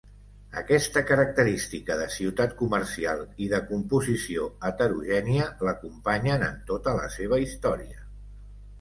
Aquesta característica de ciutat comercial i de composició heterogènia l'acompanyen en tota la seva història.